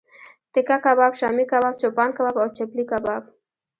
تیکه کباب، شامی کباب، چوپان کباب او چپلی کباب